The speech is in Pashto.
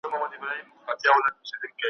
کارنامې د لویو خلکو د لرغونو انسانانو ,